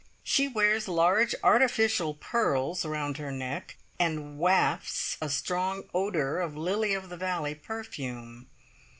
She wears large artificial pearls round her neck, and wafts a strong odour of lily of the valley perfume.